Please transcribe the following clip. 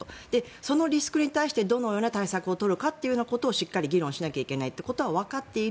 そのリスクに対してどのような対策を取るのかということをしっかり議論しないといけないことをわかっている。